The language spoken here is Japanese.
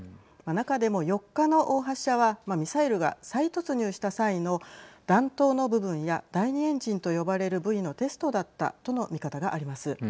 中でも４日の発射はミサイルが再突入した際の弾頭の部分や第２エンジンと呼ばれる部位のテストだったとの見方があります。